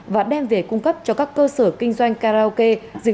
và đem về cung cấp cho các cơ sở kinh doanh karaoke dịch vụ giải trí trên địa bàn